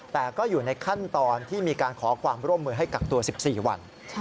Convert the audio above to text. แต่ก็อยู่ในขั้นตอนที่มีการขอความร่วมมือให้กักตัว๑๔วัน